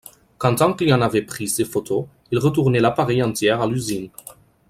Quand un client avait pris ses photos, il retournait l'appareil entier à l'usine.